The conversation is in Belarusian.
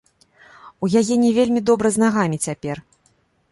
У яе не вельмі добра з нагамі цяпер.